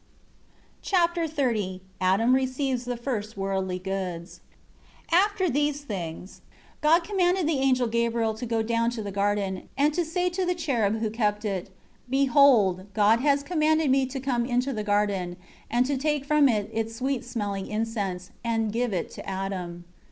Chapter XXX Adam receives the first worldly goods. 1 After these things, God commanded the angel Gabriel to go down to the garden, and say to the cherub who kept it, "Behold, God has commanded me to come into the garden, and to take from it sweet smelling incense, and give it to Adam."